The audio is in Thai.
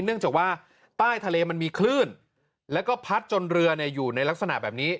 เนื่องจากว่าใต้ทะเลมันมีคลื่นแล้วก็พัดจนเรืออยู่ในลักษณะแบบนี้